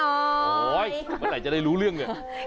โอ๊ยเมื่อไหนจะได้รู้เรื่องเลย